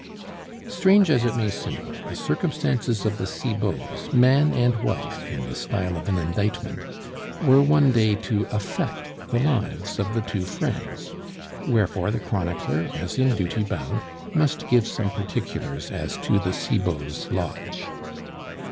Strange as it may seem, the circumstances of the Cibots, man and wife (in the style of an indictment), were one day to affect the lives of the two friends; wherefore the chronicler, as in duty bound, must give some particulars as to the Cibots' lodge.